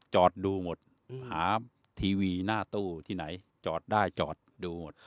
จอดดูหมดหาทีวีหน้าตู้ที่ไหนจอดได้จอดดูหมด